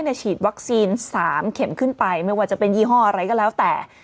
ฉีดวัคซีน๓เข็มขึ้นไปไม่ว่าจะเป็นยี่ห้ออะไรก็แล้วแต่